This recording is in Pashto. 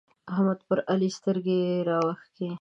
احمد پر علي سترګې راوکښې.